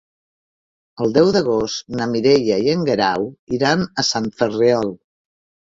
El deu d'agost na Mireia i en Guerau iran a Sant Ferriol.